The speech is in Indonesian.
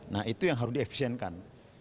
nah itu yang harus diefisienkan